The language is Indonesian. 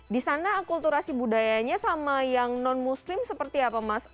di sana akulturasi budayanya sama yang non muslim seperti apa mas